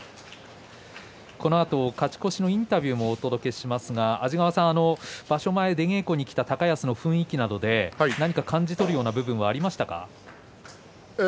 このあと勝ち越しのインタビューもお届けしますが安治川さん場所前出稽古に来た高安の雰囲気などで何か感じ取るような部分もありましたか。